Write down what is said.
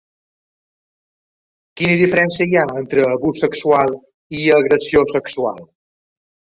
Quina diferència hi ha entre ‘abús sexual’ i ‘agressió sexual’?